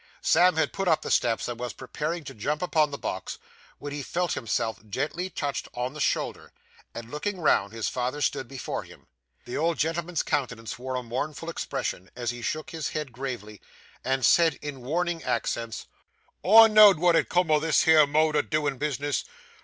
Sam had put up the steps, and was preparing to jump upon the box, when he felt himself gently touched on the shoulder; and, looking round, his father stood before him. The old gentleman's countenance wore a mournful expression, as he shook his head gravely, and said, in warning accents 'I know'd what 'ud come o' this here mode o' doin' bisness.